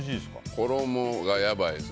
衣がやばいです。